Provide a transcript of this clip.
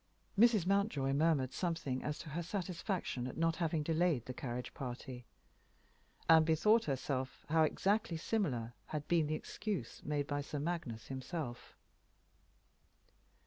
Mrs. Mountjoy murmured something as to her satisfaction at not having delayed the carriage party, and bethought herself how exactly similar had been the excuse made by Sir Magnus himself.